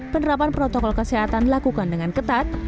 penerapan protokol kesehatan dilakukan dengan ketat